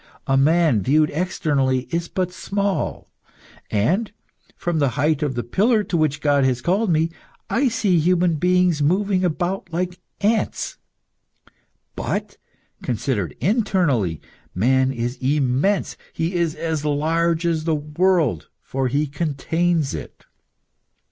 A man, viewed externally, is but small, and, from the height of the pillar to which God has called me, I see human beings moving about like ants. But, considered internally, man is immense; he is as large as the world, for he contains it.